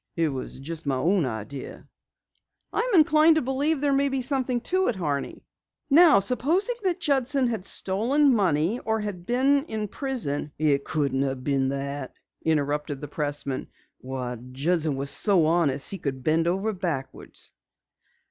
It was just my own idea." "I'm inclined to believe there may be something to it, Horney. Now supposing that Judson had stolen money or had been in prison " "It couldn't have been that," interrupted the pressman. "Why, Judson was so honest he bent over backwards."